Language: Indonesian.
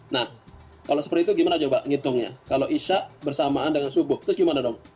nah kalau seperti itu gimana coba ngitungnya kalau isya bersamaan dengan subuh terus gimana dong